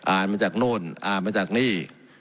อ่านมาจากโน่นอ่านมาจากนี่